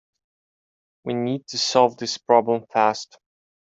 We need to solve this problem fast.